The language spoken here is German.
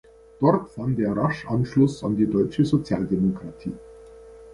Dort fand er rasch Anschluss an die deutsche Sozialdemokratie.